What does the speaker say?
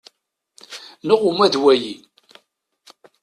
Neɣ uma d wayi.